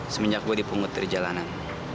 semenjak gue dipungut dari jalanan